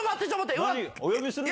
お呼びするぞ。